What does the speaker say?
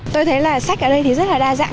tôi thấy là sách ở đây thì rất là đa dạng